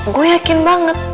gue yakin banget